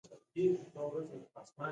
زه په فیسبوک کې پوسټ لولم.